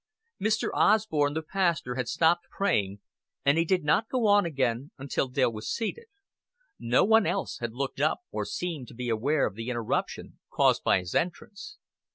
Mr. Osborn, the pastor, had stopped praying, and he did not go on again until Dale was seated. No one else had looked up or seemed to be aware of the interruption caused by his entrance.